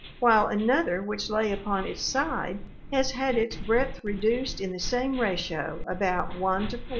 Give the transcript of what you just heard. while another which lay upon its side has had its breadth reduced in the same ratio, about 1 : 4.